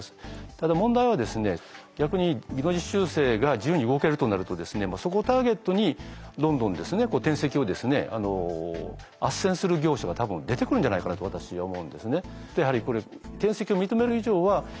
ただ問題は逆に技能実習生が自由に動けるとなるとそこをターゲットにどんどん転籍をあっせんする業者が多分出てくるんじゃないかなと私思うんですね。